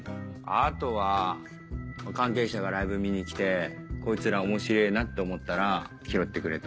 あとは関係者がライブ見にきてこいつらおもしれぇなって思ったら拾ってくれて。